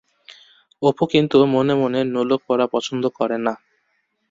অপু কিন্তু মনে মনে নোলক-পরা পছন্দ করে না।